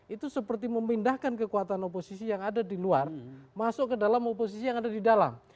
itu seperti memindahkan kekuatan oposisi yang ada di luar masuk ke dalam oposisi yang ada di dalam